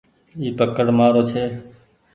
اي پڪڙ مآرو ڇي ۔